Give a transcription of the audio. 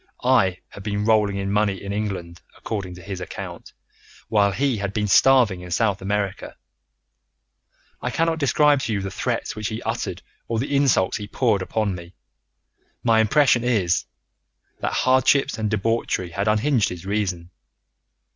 I had been rolling in money in England, according to his account, while he had been starving in South America. I cannot describe to you the threats which he uttered or the insults which he poured upon me. My impression is, that hardships and debauchery had unhinged his reason.